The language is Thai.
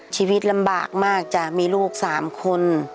ชีวิตลำบากมากจ้ะมีลูก๓คน